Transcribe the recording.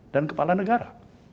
dan kepala negara